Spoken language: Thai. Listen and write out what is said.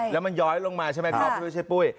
แล้วมันย้อยลงมาใช่ไหมครับบริเวณเชฟปุ้ย